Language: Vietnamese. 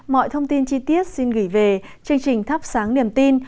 mọi thông tin chi tiết xin gửi về chương trình thắp sáng niềm tin